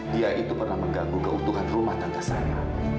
dia itu pernah menggabung keutuhan rumah tante saya